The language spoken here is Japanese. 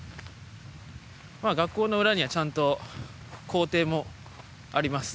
学校の裏にはちゃんと校庭もあります。